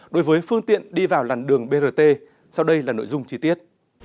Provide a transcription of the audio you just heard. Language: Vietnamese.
đối với phương tiện đi vào làn đường brt sau đây là nội dung chi tiết